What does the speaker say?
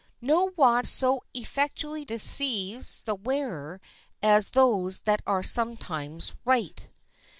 No watch so effectually deceives the wearer as those that are sometimes right.